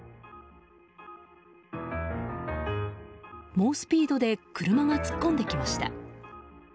猛スピードで車が突っ込んできました。